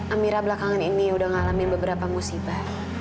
amira belakangan ini udah ngalamin beberapa musibah